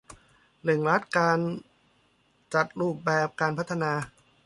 เร่งรัดการจัดรูปแบบการพัฒนา